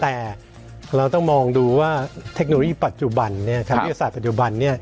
แต่เราต้องมองดูว่าเทคโนโลยีปัจจุบันทางวิทยาศาสตร์ปัจจุบัน